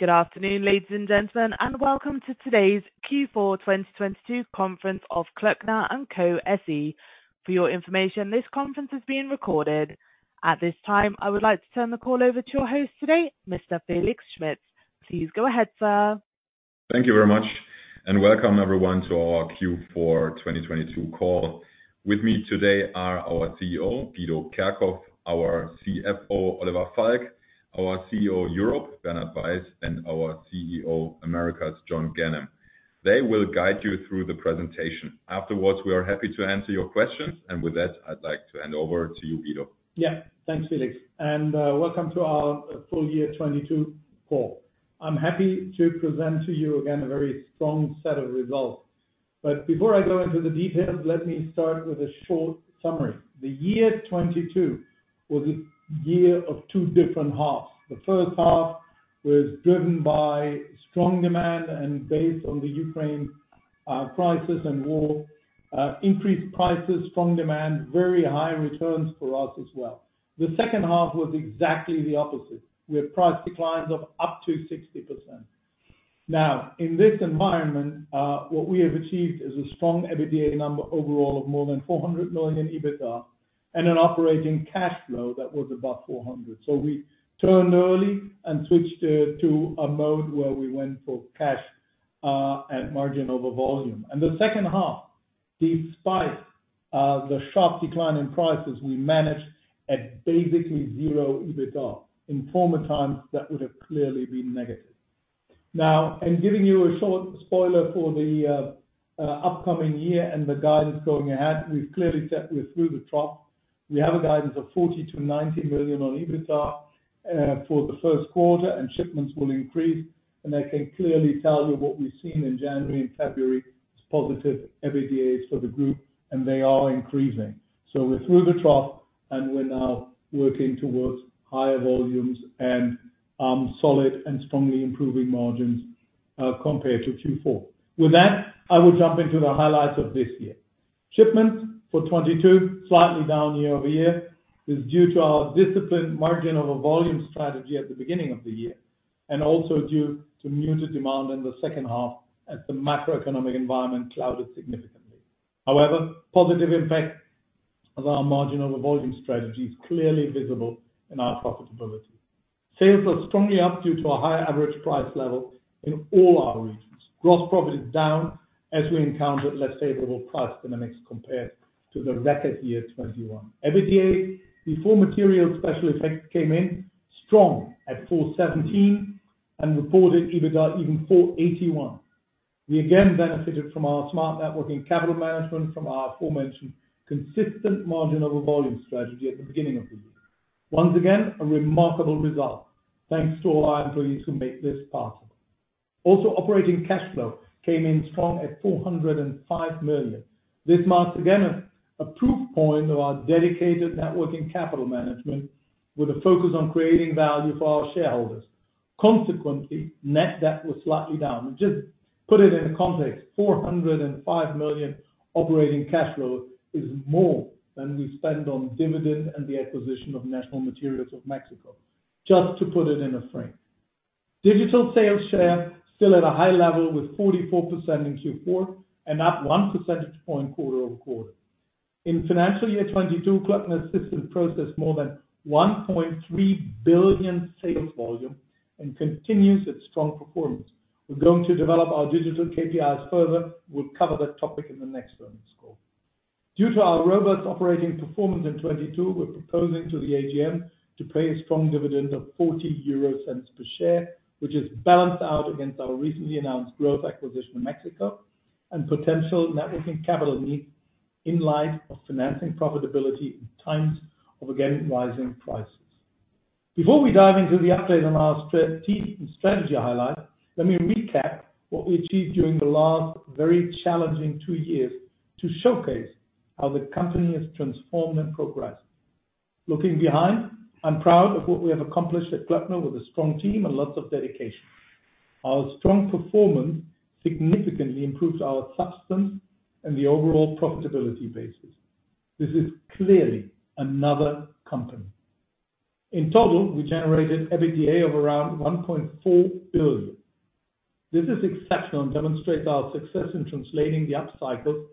Good afternoon, ladies and gentlemen, welcome to today's Q4 2022 Conference of Klöckner & Co SE. For your information, this conference is being recorded. At this time, I would like to turn the call over to your host today, Mr. Felix Schmitz. Please go ahead, sir. Thank you very much and welcome everyone to our Q4 2022 call. With me today are our CEO, Guido Kerkhoff, our CFO, Oliver Falk, our CEO Europe, Bernhard Weiss, and our CEO Americas, John Ganem. They will guide you through the presentation. Afterwards, we are happy to answer your questions. With that, I'd like to hand over to you, Guido. Yeah. Thanks, Felix, and welcome to our full year 2022 call. I'm happy to present to you again a very strong set of results. Before I go into the details, let me start with a short summary. The year 2022 was a year of two different halves. The first half was driven by strong demand and based on the Ukraine crisis and war. Increased prices, strong demand, very high returns for us as well. The second half was exactly the opposite, with price declines of up to 60%. Now, in this environment, what we have achieved is a strong EBITDA number overall of more than 400 million EBITDA and an operating cash flow that was above 400 million. We turned early and switched to a mode where we went for cash and margin over volume. The second half, despite the sharp decline in prices, we managed at basically zero EBITDA. In former times, that would have clearly been negative. Giving you a short spoiler for the upcoming year and the guidance going ahead, we've clearly said we're through the trough. We have a guidance of 40 million-90 million on EBITDA for the first quarter, shipments will increase. I can clearly tell you what we've seen in January and February is positive EBITDAs for the group. They are increasing. We're through the trough, and we're now working towards higher volumes and solid and strongly improving margins compared to Q4. With that, I will jump into the highlights of this year. Shipments for 2022, slightly down year-over-year, is due to our disciplined margin over volume strategy at the beginning of the year, and also due to muted demand in the second half as the macroeconomic environment clouded significantly. However, positive impact of our margin over volume strategy is clearly visible in our profitability. Sales are strongly up due to a higher average price level in all our regions. Gross profit is down as we encountered less favorable price dynamics compared to the record year 2021. EBITDA before material special effects came in strong at 417 million and reported EBITDA even 481 million. We again benefited from our smart net working capital management from our aforementioned consistent margin over volume strategy at the beginning of the year. Once again, a remarkable result thanks to all our employees who make this possible. Operating cash flow came in strong at 405 million. This marks again a proof point of our dedicated net working capital management with a focus on creating value for our shareholders. Consequently, net debt was slightly down. Just put it in context, 405 million operating cash flow is more than we spend on dividend and the acquisition of National Material of Mexico. Just to put it in a frame. Digital sales share still at a high level with 44% in Q4 and up 1 percentage point quarter-over-quarter. In financial year 2022, Klöckner & Co assisted process more than 1.3 billion sales volume and continues its strong performance. We're going to develop our digital KPIs further. We'll cover that topic in the next earnings call. Due to our robust operating performance in 2022, we're proposing to the AGM to pay a strong dividend of 0.40 per share, which is balanced out against our recently announced growth acquisition in Mexico and potential net working capital needs in light of financing profitability in times of, again, rising prices. Before we dive into the update on our strategy highlight, let me recap what we achieved during the last very challenging two years to showcase how the company has transformed and progressed. Looking behind, I'm proud of what we have accomplished at Klöckner with a strong team and lots of dedication. Our strong performance significantly improves our substance and the overall profitability basis. This is clearly another company. In total, we generated EBITDA of around 1.4 billion. This is exceptional and demonstrates our success in translating the upcycle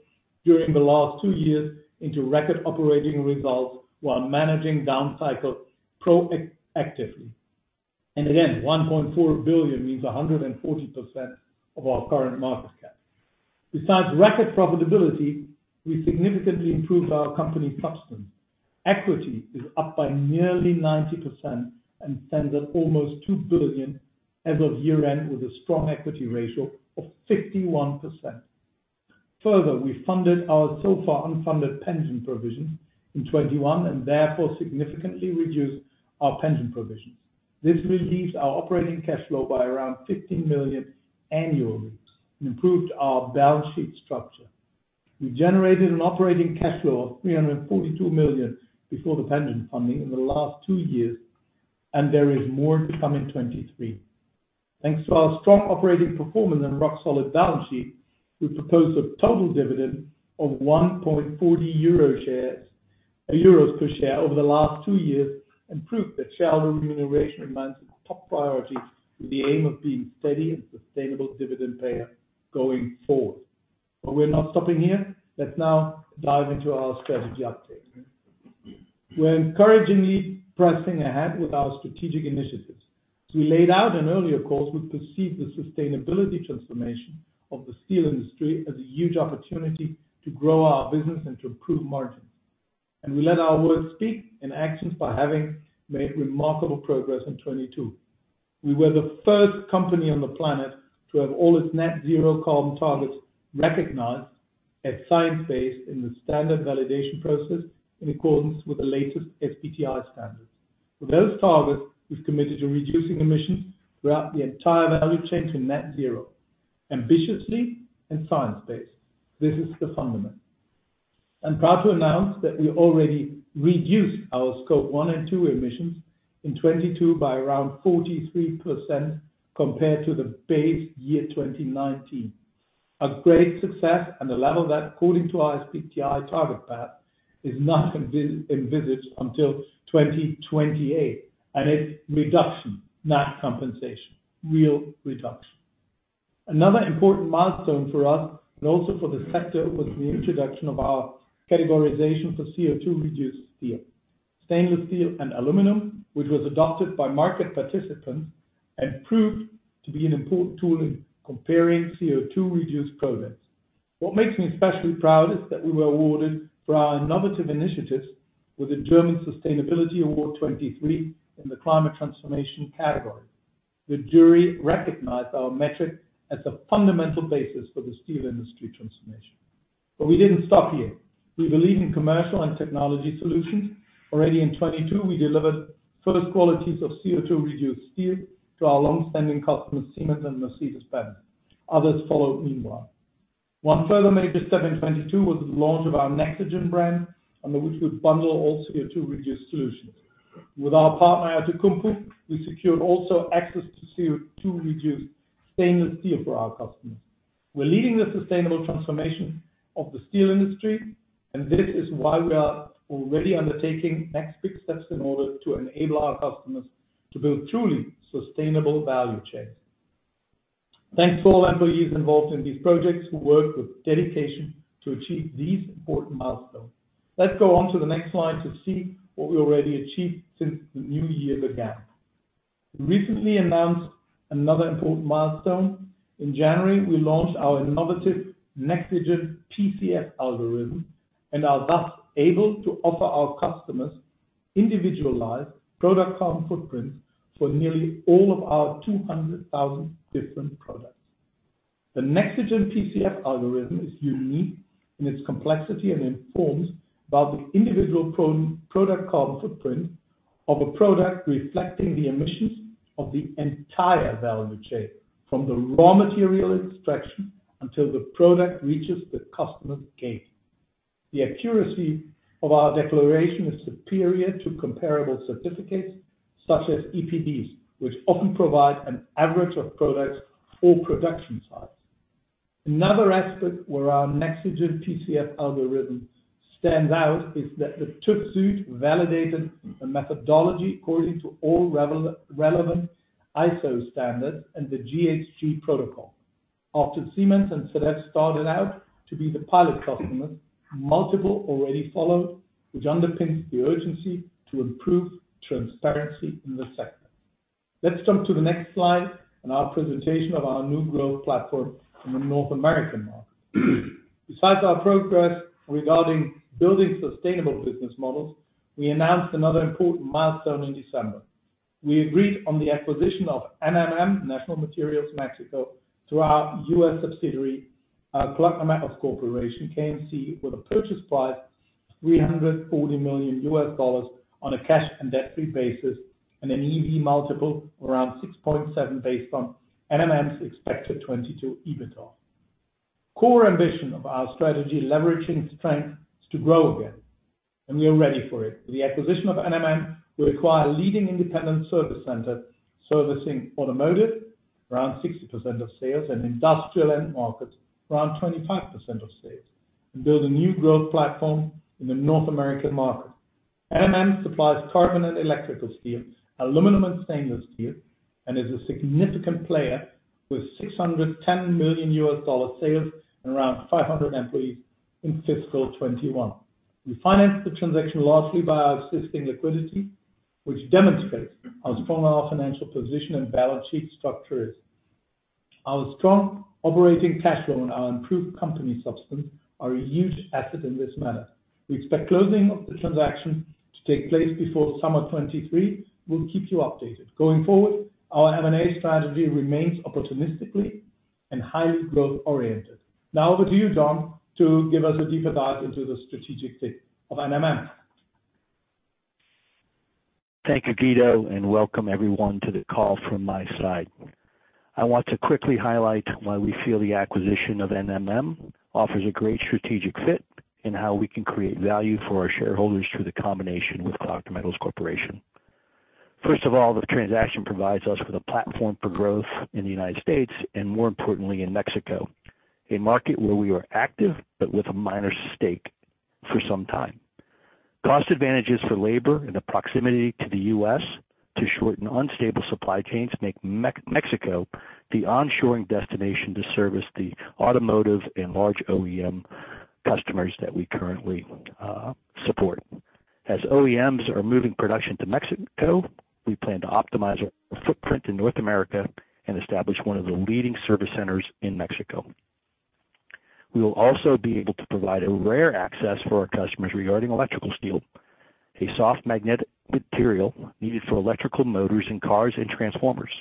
during the last two years into record operating results while managing down cycles proactively. Again, 1.4 billion means 140% of our current market cap. Besides record profitability, we significantly improved our company substance. Equity is up by nearly 90% and stands at almost 2 billion as of year-end, with a strong equity ratio of 51%. Further, we funded our so far unfunded pension provisions in 2021 and therefore significantly reduced our pension provisions. This relieves our operating cash flow by around 15 million annually and improved our balance sheet structure. We generated an operating cash flow of 342 million before the pension funding in the last two years. There is more to come in 2023. Thanks to our strong operating performance and rock-solid balance sheet, we propose a total dividend of 1.40 euro per share over the last two years. We prove that shareholder remuneration remains a top priority with the aim of being steady and sustainable dividend payer going forward. We're not stopping here. Let's now dive into our strategy update. We're encouragingly pressing ahead with our strategic initiatives. As we laid out in earlier calls, we perceive the sustainability transformation of the steel industry as a huge opportunity to grow our business and to improve margins. We let our words speak in actions by having made remarkable progress in 2022. We were the first company on the planet to have all its net zero carbon targets recognized as science-based in the standard validation process in accordance with the latest SBTi standards. For those targets, we've committed to reducing emissions throughout the entire value chain to net zero, ambitiously and science-based. This is the fundament. I'm proud to announce that we already reduced our Scope 1 and 2 emissions in 2022 by around 43% compared to the base year 2019. A great success and a level that, according to our SBTi target path, is not envisaged until 2028. It's reduction, not compensation, real reduction. Another important milestone for us and also for the sector was the introduction of our categorization for CO₂-reduced steel, stainless steel, and aluminum, which was adopted by market participants and proved to be an important tool in comparing CO₂-reduced products. What makes me especially proud is that we were awarded for our innovative initiatives with the German Sustainability Award 2023 in the Climate Transformation category. The jury recognized our metric as a fundamental basis for the steel industry transformation. We didn't stop here. We believe in commercial and technology solutions. Already in 2022, we delivered first qualities of CO₂-reduced steel to our long-standing customers, Siemens and Mercedes-Benz. Others followed meanwhile. One further major step in 2022 was the launch of our Nexigen brand, under which we bundle all CO₂-reduced solutions. With our partner, Outokumpu, we secured also access to CO₂-reduced stainless steel for our customers. We're leading the sustainable transformation of the steel industry, and this is why we are already undertaking next big steps in order to enable our customers to build truly sustainable value chains. Thanks to all employees involved in these projects who work with dedication to achieve these important milestones. Let's go on to the next slide to see what we already achieved since the new year began. We recently announced another important milestone. In January, we launched our innovative Nexigen PCF Algorithm and are thus able to offer our customers individualized product carbon footprints for nearly all of our 200,000 different products. The Nexigen PCF Algorithm is unique in its complexity and informs about the individual product carbon footprint of a product reflecting the emissions of the entire value chain, from the raw material extraction until the product reaches the customer's gate. The accuracy of our declaration is superior to comparable certificates such as EPDs, which often provide an average of products or production sites. Another aspect where our Nexigen® PCF Algorithm stands out is that the TÜV SÜD validated the methodology according to all relevant ISO standards and the GHG Protocol. After Siemens and Cedef started out to be the pilot customers, multiple already followed, which underpins the urgency to improve transparency in the sector. Let's jump to the next slide in our presentation of our new growth platform in the North American market. Besides our progress regarding building sustainable business models, we announced another important milestone in December. We agreed on the acquisition of NMM, National Material of Mexico, through our U.S. subsidiary, Kloeckner Metals Corporation, KMC, with a purchase price of $340 million on a cash and debt-free basis and an EV multiple of around 6.7 based on NMM's expected 2022 EBITDA. Core ambition of our strategy, Leveraging Strengths, is to grow again. We are ready for it. The acquisition of NMM will acquire a leading independent service center servicing automotive, around 60% of sales, and industrial end markets, around 25% of sales, and build a new growth platform in the North American market. NMM supplies carbon and electrical steel, aluminum and stainless steel, and is a significant player with $610 million sales and around 500 employees in fiscal 2021. We financed the transaction largely by our existing liquidity, which demonstrates how strong our financial position and balance sheet structure is. Our strong operating cash flow and our improved company substance are a huge asset in this matter. We expect closing of the transaction to take place before summer 2023. We'll keep you updated. Going forward, our M&A strategy remains opportunistically and highly growth-oriented. Now over to you, John, to give us a deeper dive into the strategic fit of NMM. Thank you, Guido. Welcome everyone to the call from my side. I want to quickly highlight why we feel the acquisition of NMM offers a great strategic fit in how we can create value for our shareholders through the combination with Kloeckner Metals Corporation. First of all, the transaction provides us with a platform for growth in the United States and more importantly, in Mexico, a market where we are active but with a minor stake for some time. Cost advantages for labor and the proximity to the U.S. to shorten unstable supply chains make Mexico the onshoring destination to service the automotive and large OEM customers that we currently support. As OEMs are moving production to Mexico, we plan to optimize our footprint in North America and establish one of the leading service centers in Mexico. We will also be able to provide a rare access for our customers regarding electrical steel, a soft magnetic material needed for electrical motors in cars and transformers.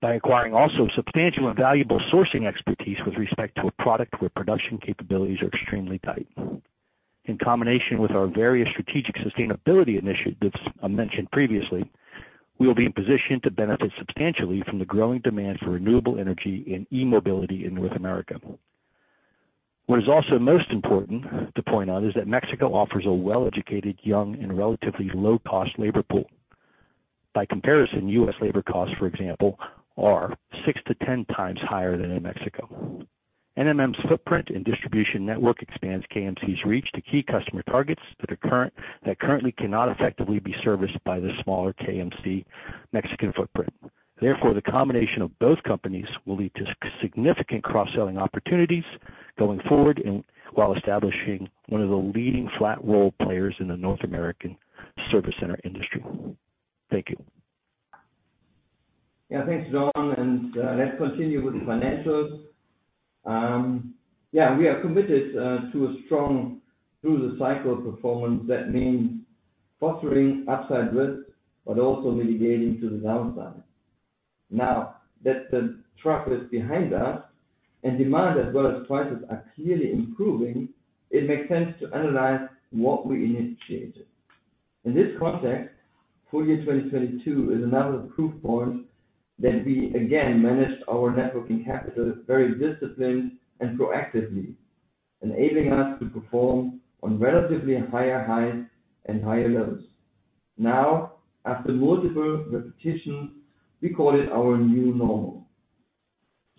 By acquiring also substantial and valuable sourcing expertise with respect to a product where production capabilities are extremely tight. In combination with our various strategic sustainability initiatives I mentioned previously, we will be in position to benefit substantially from the growing demand for renewable energy in e-mobility in North America. What is also most important to point out is that Mexico offers a well-educated, young, and relatively low-cost labor pool. By comparison, U.S. labor costs, for example, are six to 10 times higher than in Mexico. NMM's footprint and distribution network expands KMC's reach to key customer targets that currently cannot effectively be serviced by the smaller KMC Mexican footprint. The combination of both companies will lead to significant cross-selling opportunities going forward and while establishing one of the leading flat-rolled players in the North American service center industry. Thank you. Yeah. Thanks, John, let's continue with the financials. Yeah, we are committed to a strong through-the-cycle performance that means fostering upside risk but also mitigating to the downside. Now that the trough is behind us, demand as well as prices are clearly improving, it makes sense to analyze what we initiated. In this context, full year 2022 is another proof point that we, again, managed our net working capital very disciplined and proactively, enabling us to perform on relatively higher highs and higher lows. Now, after multiple repetitions, we call it our new normal.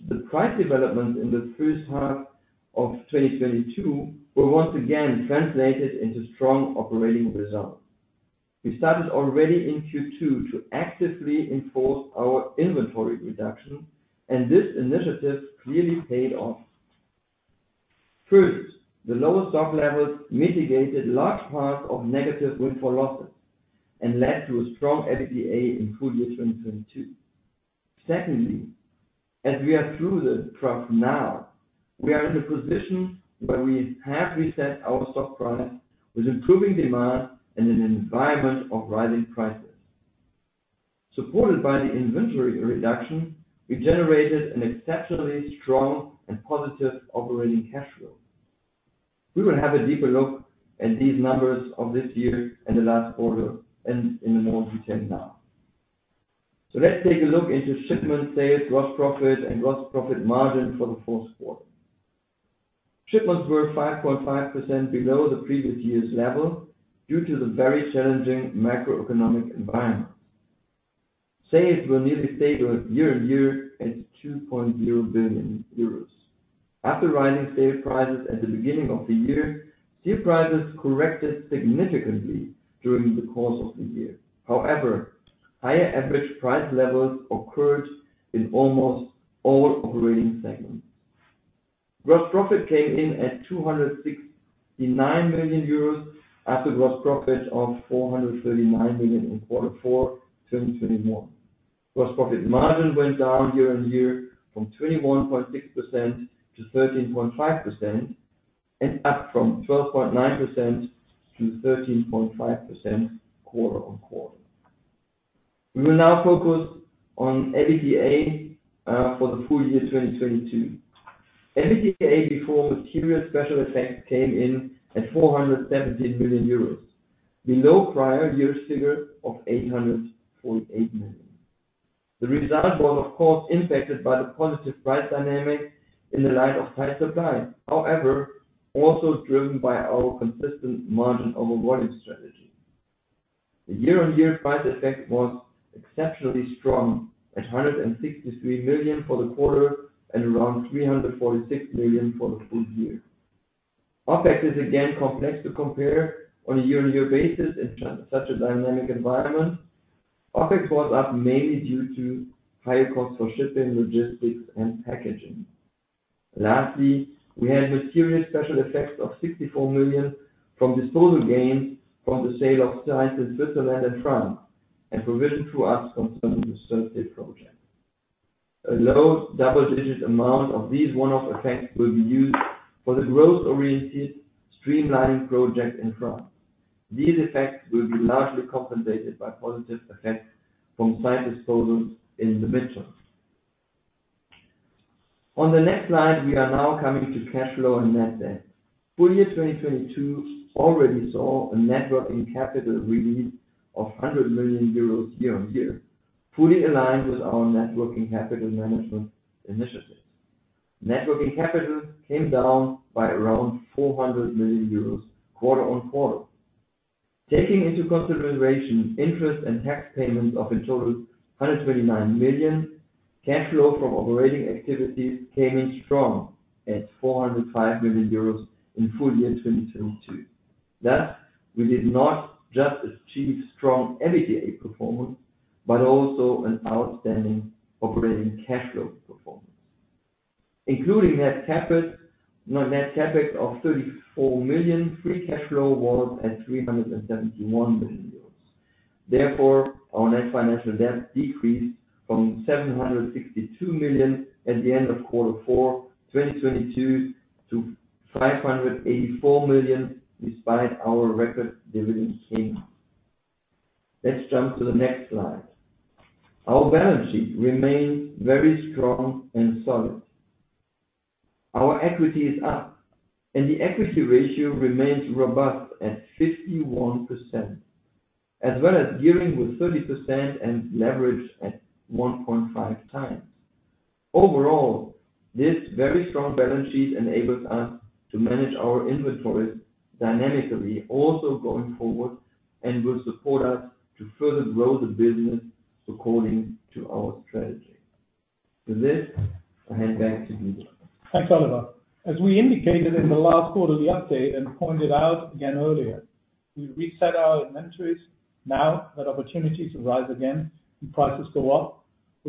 The price development in the first half of 2022 were once again translated into strong operating results. We started already in Q2 to actively enforce our inventory reduction. This initiative clearly paid off. The lower stock levels mitigated large parts of negative windfall losses and led to a strong EBITDA in full year 2022. As we are through the trough now, we are in a position where we have reset our stock price with improving demand in an environment of rising prices. Supported by the inventory reduction, we generated an exceptionally strong and positive operating cash flow. We will have a deeper look at these numbers of this year and the last quarter and in the more detail now. Let's take a look into shipments, sales, gross profit, and gross profit margin for the fourth quarter. Shipments were 5.5% below the previous year's level due to the very challenging macroeconomic environment. Sales were nearly stable year-on-year at 2.0 billion euros. After rising sale prices at the beginning of the year, steel prices corrected significantly during the course of the year. However, higher average price levels occurred in almost all operating segments. Gross profit came in at 269 million euros after gross profit of 439 million in quarter four, 2021. Gross profit margin went down year-on-year from 21.6% to 13.5%, and up from 12.9% to 13.5% quarter-on-quarter. We will now focus on EBITDA for the full year 2022. EBITDA before material special effects came in at 417 million euros, below prior year's figure of 848 million. The result was, of course, impacted by the positive price dynamics in the light of tight supply, however, also driven by our consistent margin over volume strategy. The year-on-year price effect was exceptionally strong at 163 million for the quarter and around 346 million for the full year. OpEx is again complex to compare on a year-on-year basis in such a dynamic environment. OpEx was up mainly due to higher costs for shipping, logistics, and packaging. Lastly, we had material special effects of 64 million from disposal gains from the sale of sites in Switzerland and France, and provision to us concerning the SURFACE project. A low double-digit amount of these one-off effects will be used for the growth-oriented streamlining project in France. These effects will be largely compensated by positive effects from site disposals in the midterm. On the next slide, we are now coming to cash flow and net debt. Full year 2022 already saw a net working capital release of 100 million euros year-on-year, fully aligned with our net working capital management initiatives. Net working capital came down by around 400 million euros quarter-on-quarter. Taking into consideration interest and tax payments of a total 129 million, cash flow from operating activities came in strong at 405 million euros in full year 2022. We did not just achieve strong EBITDA performance, but also an outstanding operating cash flow performance. Including net CapEx of 34 million, free cash flow was at 371 million euros. Our net financial debt decreased from 762 million at the end of quarter four, 2022 to 584 million despite our record dividend payment. Let's jump to the next slide. Our balance sheet remains very strong and solid. Our equity is up, and the equity ratio remains robust at 51%, as well as gearing with 30% and leverage at 1.5x. Overall, this very strong balance sheet enables us to manage our inventories dynamically also going forward, and will support us to further grow the business according to our strategy. With this, I hand back to Guido. Thanks, Oliver. As we indicated in the last quarterly update and pointed out again earlier, we reset our inventories now that opportunities arise again and prices go up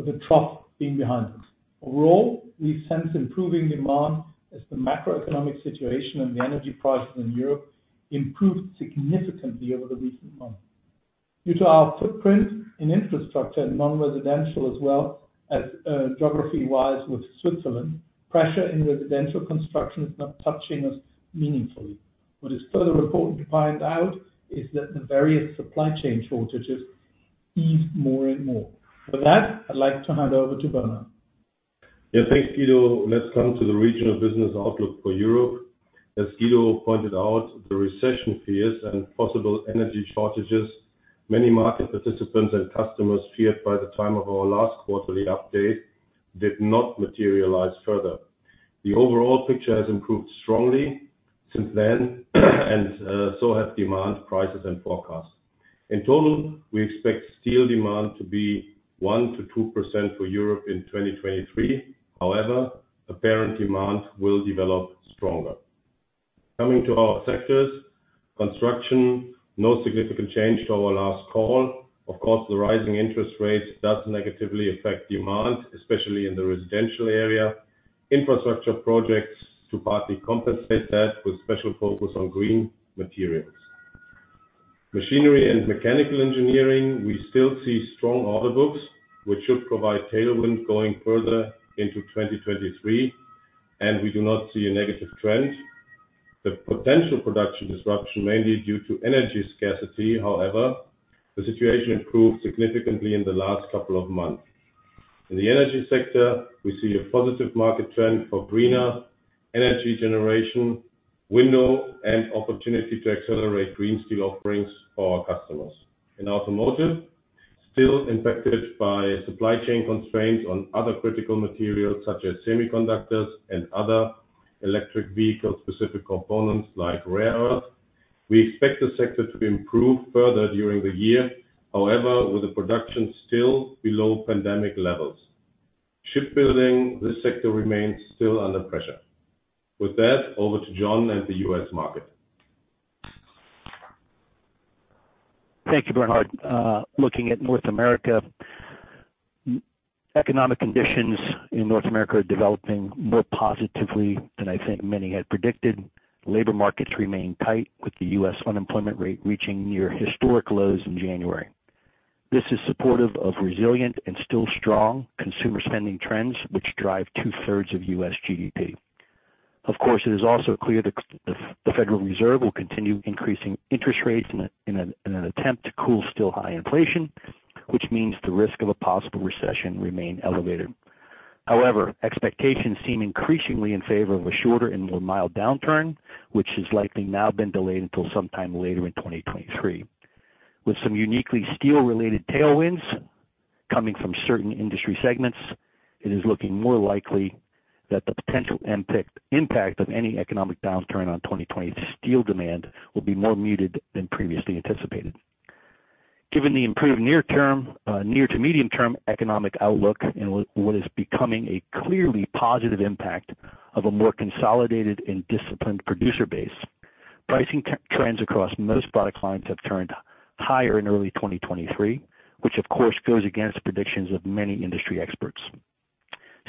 with the trough being behind us. Overall, we sense improving demand as the macroeconomic situation and the energy prices in Europe improved significantly over the recent months. Due to our footprint in infrastructure and non-residential as well as geography-wise with Switzerland, pressure in residential construction is not touching us meaningfully. What is further important to find out is that the various supply chain shortages ease more and more. With that, I'd like to hand over to Bernhard. Yeah, thanks, Guido. Let's come to the regional business outlook for Europe. As Guido pointed out, the recession fears and possible energy shortages many market participants and customers feared by the time of our last quarterly update did not materialize further. The overall picture has improved strongly since then, so has demand, prices, and forecasts. In total, we expect steel demand to be 1% to 2% for Europe in 2023. However, apparent demand will develop stronger. Coming to our sectors. Construction, no significant change to our last call. Of course, the rising interest rate does negatively affect demand, especially in the residential area. Infrastructure projects to partly compensate that with special focus on green materials. Machinery and mechanical engineering, we still see strong order books, which should provide tailwind going further into 2023. We do not see a negative trend. The potential production disruption mainly due to energy scarcity, however, the situation improved significantly in the last couple of months. In the energy sector, we see a positive market trend for greener energy generation window and opportunity to accelerate green steel offerings for our customers. In automotive, still impacted by supply chain constraints on other critical materials such as semiconductors and other electric vehicle-specific components like rare earth. We expect the sector to improve further during the year, however, with the production still below pandemic levels. Shipbuilding, this sector remains still under pressure. With that, over to John and the U.S. market. Thank you, Bernhard. Looking at North America, economic conditions in North America are developing more positively than I think many had predicted. Labor markets remain tight, with the U.S. unemployment rate reaching near historic lows in January. This is supportive of resilient and still strong consumer spending trends, which drive two-thirds of U.S. GDP. Of course, it is also clear the Federal Reserve will continue increasing interest rates in an attempt to cool still high inflation, which means the risk of a possible recession remain elevated. However, expectations seem increasingly in favor of a shorter and more mild downturn, which has likely now been delayed until sometime later in 2023. With some uniquely steel-related tailwinds coming from certain industry segments, it is looking more likely that the potential impact of any economic downturn on 2023 steel demand will be more muted than previously anticipated. Given the improved near term, near to medium term economic outlook and what is becoming a clearly positive impact of a more consolidated and disciplined producer base, pricing trends across most product lines have turned higher in early 2023, which of course goes against predictions of many industry experts.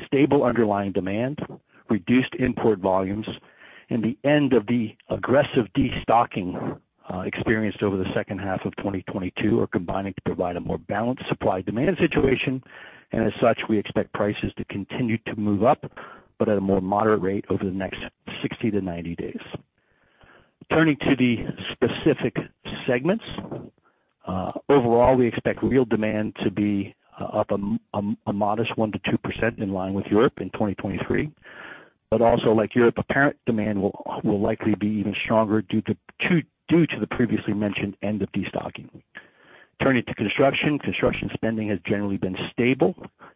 Stable underlying demand, reduced import volumes, and the end of the aggressive destocking experienced over the second half of 2022 are combining to provide a more balanced supply-demand situation. As such, we expect prices to continue to move up, but at a more moderate rate over the next 60 to 90 days. Turning to the specific segments. Overall, we expect real demand to be up a modest 1%-2% in line with Europe in 2023. Also like Europe, apparent demand will likely be even stronger due to the previously mentioned end of destocking. Turning to construction. Construction spending has generally been stable.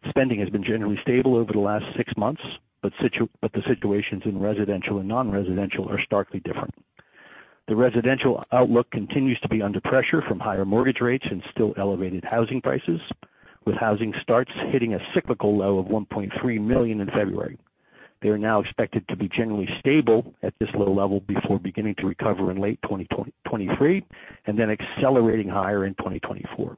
Spending has been generally stable over the last six months, but the situations in residential and non-residential are starkly different. The residential outlook continues to be under pressure from higher mortgage rates and still elevated housing prices, with housing starts hitting a cyclical low of 1.3 million in February. They are now expected to be generally stable at this low level before beginning to recover in late 2023, and then accelerating higher in 2024.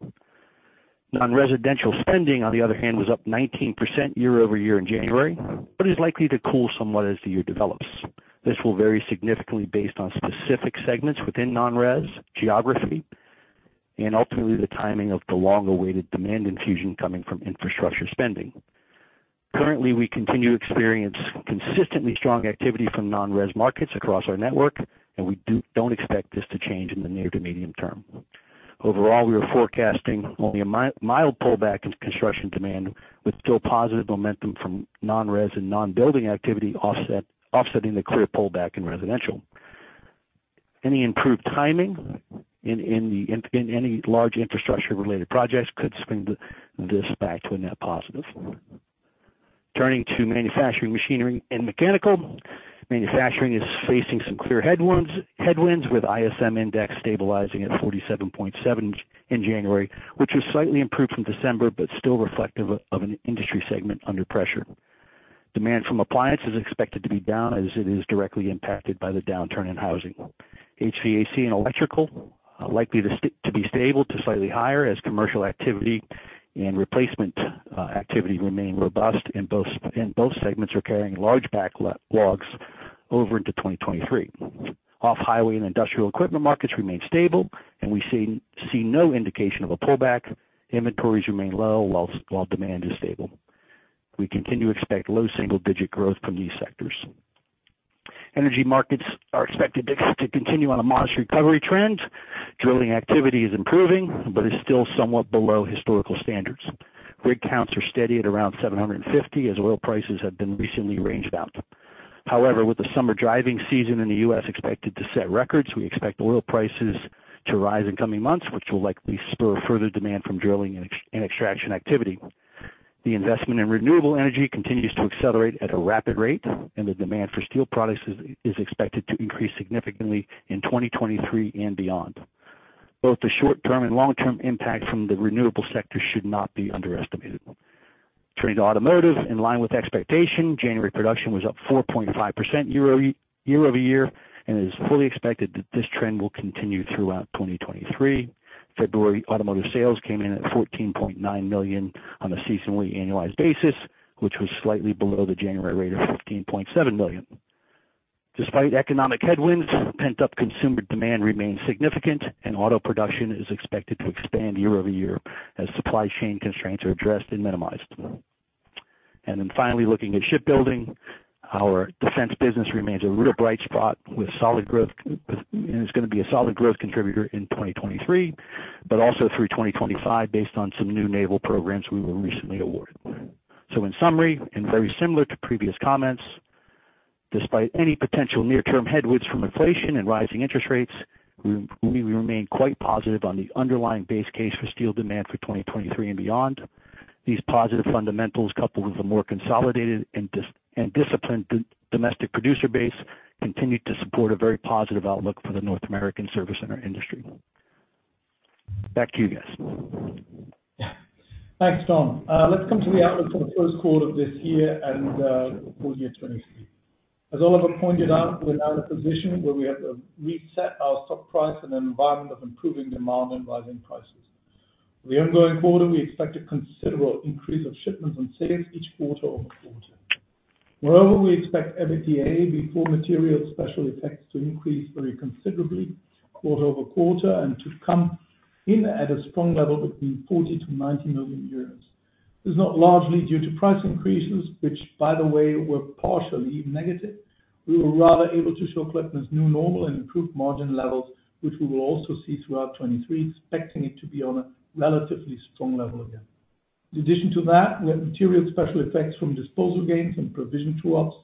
Non-residential spending, on the other hand, was up 19% year-over-year in January, is likely to cool somewhat as the year develops. This will vary significantly based on specific segments within non-res geography and ultimately the timing of the long-awaited demand infusion coming from infrastructure spending. Currently, we continue to experience consistently strong activity from non-res markets across our network, we don't expect this to change in the near to medium term. Overall, we are forecasting only a mild pullback in construction demand, with still positive momentum from non-res and non-building activity offsetting the clear pullback in residential. Any improved timing in any large infrastructure-related projects could swing this back to a net positive. Turning to manufacturing, machinery and mechanical. Manufacturing is facing some clear headwinds with ISM index stabilizing at 47.7 in January, which was slightly improved from December, still reflective of an industry segment under pressure. Demand from appliances is expected to be down as it is directly impacted by the downturn in housing. HVAC and electrical are likely to be stable to slightly higher as commercial activity and replacement activity remain robust, and both segments are carrying large backlogs over into 2023. Off-highway and industrial equipment markets remain stable and we see no indication of a pullback. Inventories remain low while demand is stable. We continue to expect low single-digit growth from these sectors. Energy markets are expected to continue on a modest recovery trend. Drilling activity is improving, is still somewhat below historical standards. Rig counts are steady at around 750 as oil prices have been recently range-bound. However, with the summer driving season in the U.S. expected to set records, we expect oil prices to rise in coming months, which will likely spur further demand from drilling and extraction activity. The investment in renewable energy continues to accelerate at a rapid rate, the demand for steel products is expected to increase significantly in 2023 and beyond. Both the short-term and long-term impacts from the renewable sector should not be underestimated. Turning to automotive. In line with expectation, January production was up 4.5% year-over-year and it is fully expected that this trend will continue throughout 2023. February automotive sales came in at $14.9 million on a seasonally annualized basis, which was slightly below the January rate of $15.7 million. Despite economic headwinds, pent-up consumer demand remains significant and auto production is expected to expand year-over-year as supply chain constraints are addressed and minimized. Finally, looking at shipbuilding. Our defense business remains a real bright spot with solid growth, and it's gonna be a solid growth contributor in 2023, but also through 2025 based on some new naval programs we were recently awarded. In summary, and very similar to previous comments, despite any potential near-term headwinds from inflation and rising interest rates, we remain quite positive on the underlying base case for steel demand for 2023 and beyond. These positive fundamentals, coupled with a more consolidated and disciplined domestic producer base, continue to support a very positive outlook for the North American service center industry. Back to you guys. Yeah. Thanks, John. Let's come to the outlook for the 1st quarter of this year and full year 2023. As Oliver pointed out, we're now in a position where we have to reset our stock price in an environment of improving demand and rising prices. We are going forward and we expect a considerable increase of shipments and sales each quarter-over-quarter. We expect EBITDA before material special effects to increase very considerably quarter-over-quarter and to come in at a strong level between 40 million-90 million euros. This is not largely due to price increases, which, by the way, were partially negative. We were rather able to show Klöckner's new normal and improved margin levels, which we will also see throughout 2023, expecting it to be on a relatively strong level again. In addition to that, we have material special effects from disposal gains and provision true-ups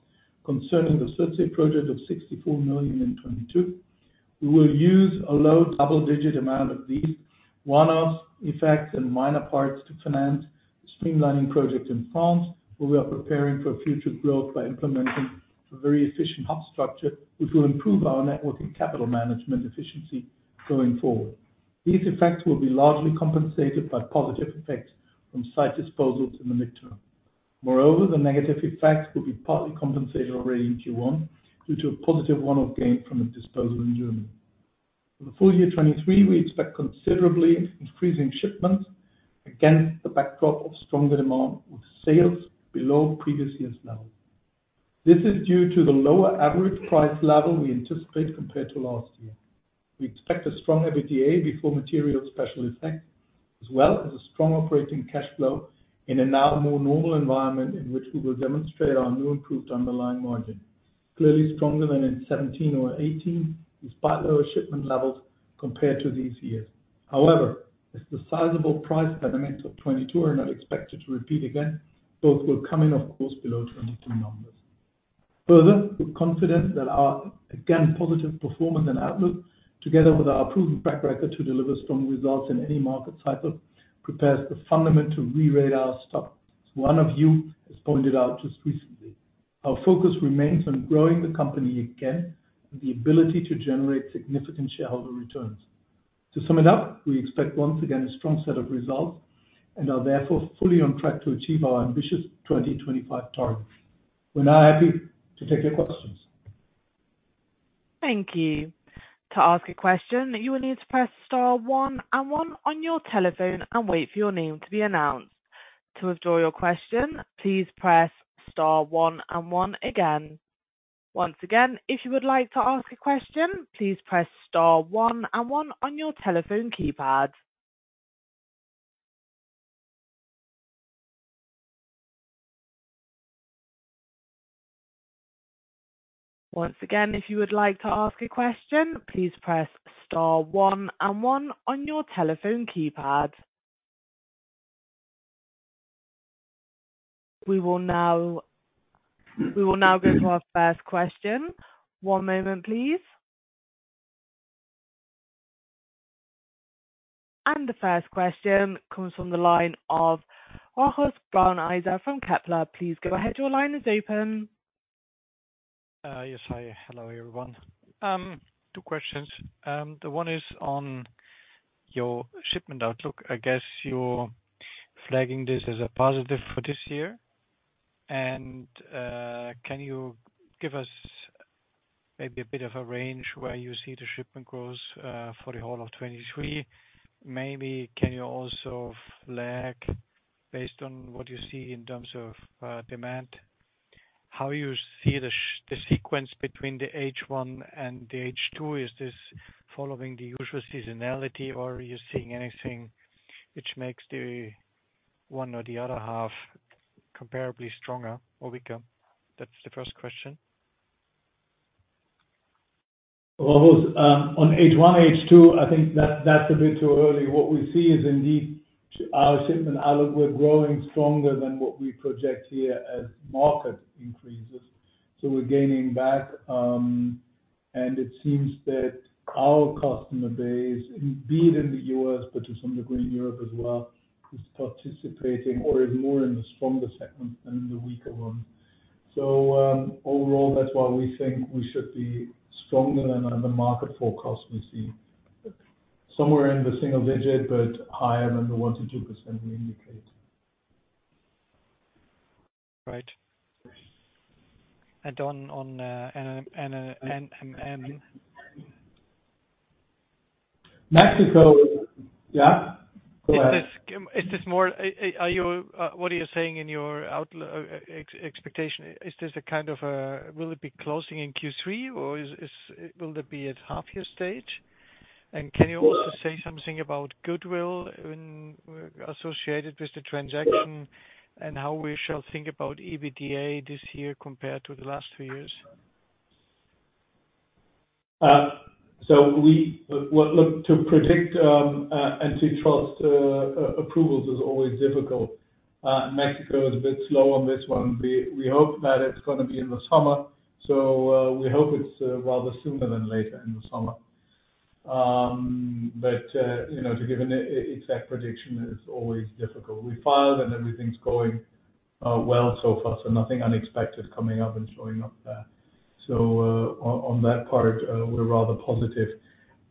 concerning the SURFACE project of 64 million in 2022. We will use a low double-digit amount of these one-offs effects and minor parts to finance the streamlining project in France, where we are preparing for future growth by implementing a very efficient hub structure, which will improve our network and capital management efficiency going forward. These effects will be largely compensated by positive effects from site disposals in the midterm. Moreover, the negative effects will be partly compensated already in Q1 due to a positive one-off gain from a disposal in Germany. For the full year 2023, we expect considerably increasing shipments against the backdrop of stronger demand, with sales below previous year's level. This is due to the lower average price level we anticipate compared to last year. We expect a strong EBITDA before material special effects, as well as a strong operating cash flow in a now more normal environment in which we will demonstrate our new improved underlying margin. Clearly stronger than in 2017 or 2018, despite lower shipment levels compared to these years. As the sizable price dynamics of 2022 are not expected to repeat again, those will come in, of course, below 2022 numbers. We're confident that our, again, positive performance and outlook, together with our proven track record to deliver strong results in any market cycle, prepares the fundament to rerate our stock. One of you has pointed out just recently. Our focus remains on growing the company again, and the ability to generate significant shareholder returns. To sum it up, we expect once again a strong set of results and are therefore fully on track to achieve our ambitious 2025 targets. We're now happy to take your questions. Thank you. To ask a question, you will need to press star one and one on your telephone and wait for your name to be announced. To withdraw your question, please press star one and one again. Once again, if you would like to ask a question, please press star one and one on your telephone keypad. Once again, if you would like to ask a question, please press star one and one on your telephone keypad. We will now go to our first question. One moment, please. The first question comes from the line of Rochus Brauneiser from Kepler. Please go ahead. Your line is open. Yes. Hi. Hello, everyone. Two questions. The one is on your shipment outlook. I guess you're flagging this as a positive for this year. Can you give us maybe a bit of a range where you see the shipment growth for the whole of 2023? Maybe can you also flag, based on what you see in terms of demand, how you see the sequence between the H1 and the H2? Is this following the usual seasonality or are you seeing anything which makes the one or the other half comparably stronger or weaker? That's the first question. Rochus, on H1, H2, I think that's a bit too early. What we see is indeed our shipment outlook. We're growing stronger than what we project here as market increases. We're gaining back, and it seems that our customer base, indeed in the U.S., but to some degree in Europe as well, is participating or is more in the stronger segment than in the weaker one. Overall, that's why we think we should be stronger than the market forecast we see. Somewhere in the single digit, higher than the 1%-2% we indicate. Right. on, NMM. Mexico. Yeah, go ahead. What are you saying in your expectation? Will it be closing in Q3 or will it be at half-year stage? Can you also say something about goodwill associated with the transaction and how we shall think about EBITDA this year compared to the last two years? We look, to predict antitrust approvals is always difficult. Mexico is a bit slow on this one. We hope that it's gonna be in the summer. We hope it's rather sooner than later in the summer. You know, to give an exact prediction is always difficult. We filed and everything's going well so far, so nothing unexpected coming up and showing up there. On that part, we're rather positive.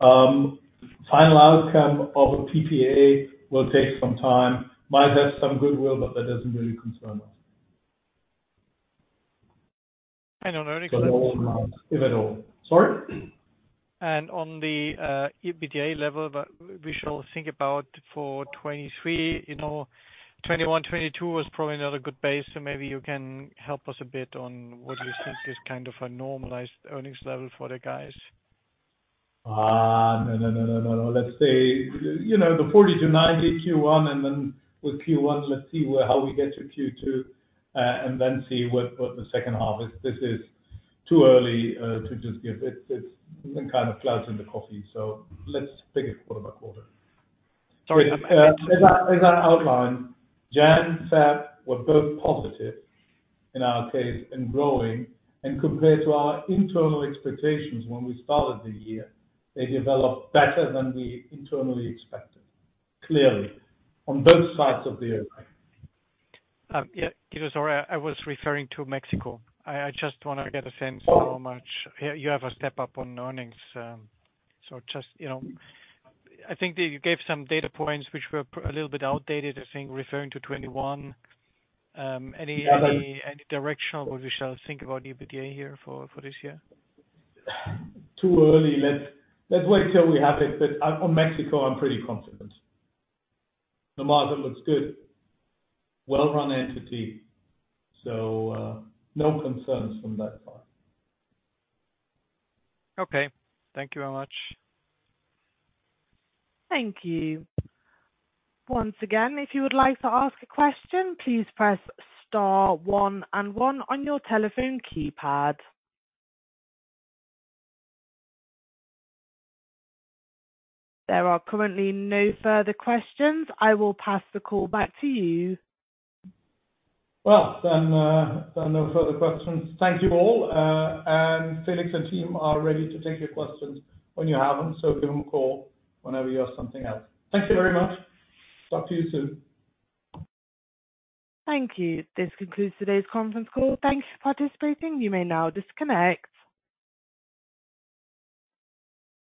Final outcome of PPA will take some time. Might have some goodwill, but that doesn't really concern us. And on earnings- If at all. Sorry. On the EBITDA level, but we shall think about for 2023. You know, 2021, 2022 was probably not a good base, so maybe you can help us a bit on what you think is kind of a normalized earnings level for the guys. No, no, no. Let's say, you know, the 40 million-90 million Q1, and then with Q1, let's see how we get to Q2, and then see what the second half is. This is too early to just give. It's kind of clouds in the coffee, so let's take it quarter by quarter. Sorry. As I outlined, January, February were both positive in our case and growing. Compared to our internal expectations when we started the year, they developed better than we internally expected, clearly, on both sides of the Atlantic. Yeah. Sorry, I was referring to Mexico. I just wanna get a sense how much you have a step up on earnings. Just, you know. I think that you gave some data points which were a little bit outdated, I think referring to 2021. Any directional what we shall think about EBITDA here for this year? Too early. Let's wait till we have it. On Mexico, I'm pretty confident. The margin looks good. Well-run entity, so, no concerns from that side. Okay. Thank you very much. Thank you. Once again, if you would like to ask a question, please press star one and one on your telephone keypad. There are currently no further questions. I will pass the call back to you. No further questions. Thank you all. Felix and team are ready to take your questions when you have them, so give them a call whenever you have something else. Thank you very much. Talk to you soon. Thank you. This concludes today's conference call. Thank you for participating. You may now disconnect.